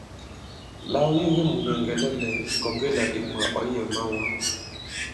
La ɔ yege mùnyɛ̀ŋgɛ̀ la lɛ̌n, kɔ̀ŋge là ìmwà ɔ̌ yɛ̀ mawɔ.